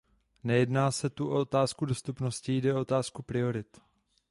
Nejedná se tu o otázku dostupnosti, jde o otázku priorit.